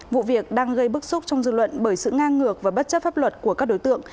vụ việc đang gây bức xúc trong dư luận bởi sự nga ngược và bất chấp pháp luật của các đối tượng